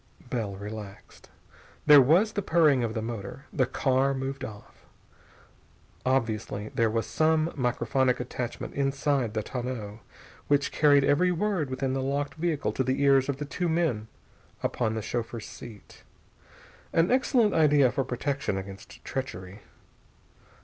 Bell relaxed. There was the purring of the motor. The car moved off. Obviously there was some microphonic attachment inside the tonneau which carried every word within the locked vehicle to the ears of the two men upon the chauffeur's seat. An excellent idea for protection against treachery.